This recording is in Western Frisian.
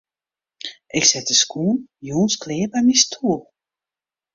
Ik set de skuon jûns klear by myn stoel.